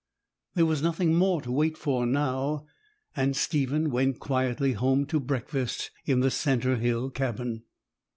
There was nothing more to wait for now; and Stephen went quietly home to breakfast in the cinder hill cabin.